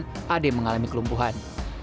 pada kejadian ade mengalami kelumpuhan